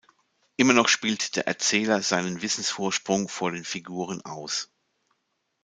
Immer noch spielt der Erzähler seinen Wissensvorsprung vor den Figuren aus.